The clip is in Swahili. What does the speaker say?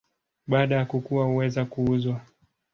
Baada ya kukua huweza kuuzwa.